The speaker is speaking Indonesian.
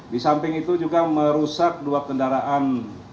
di samping itu juga merusak dua kendaraan